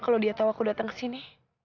kalau dia tahu aku datang ke sini